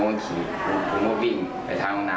แล้วก็หมกตรงรถกระบะ